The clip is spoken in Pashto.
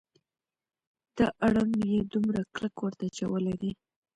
دا اړم یې دومره کلک ورته اچولی دی.